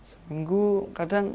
seminggu berapa kali mbak